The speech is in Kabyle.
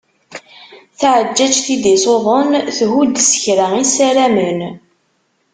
Taɛeǧǧaǧt i d-iṣuḍen thudd s kra i ssaramen.